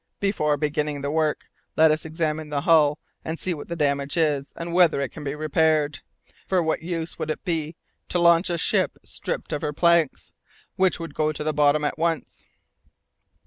"Before beginning the work, let us examine the hull and see what the damage is, and whether it can be repaired. For what use would it be to launch a ship stripped of her planks, which would go to the bottom at once?"